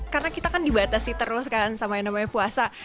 karena kita kan dibatasi terus kan sama yang namanya puasa